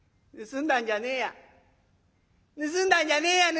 盗んだんじゃねえや盗んだんじゃ」。